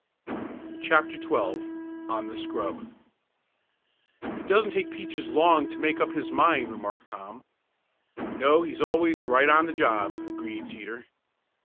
CHAPTER XII ON THE SCRUB "It doesn't take Peaches long to make up his mind," remarked Tom. "No, he's always right on the job," agreed Teeter.